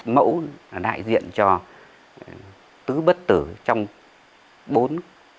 mẫu đại diện cho tứ bất tử trong bốn